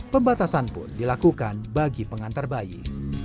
pembatasan pun dilakukan bagi pengantar bayi